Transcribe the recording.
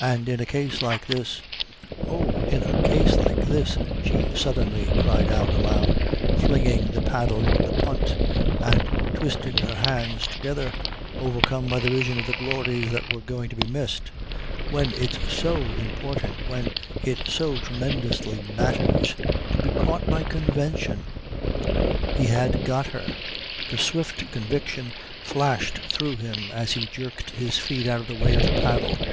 And in a case like this "Oh, in a case like this," she suddenly cried out aloud, flinging the paddle into the punt and twisting her hands together, overcome by the vision of the glories that were going to be missed, "when it's so important, when it so tremendously matters to be caught by convention!" He had got her. The swift conviction flashed through him as he jerked his feet out of the way of the paddle.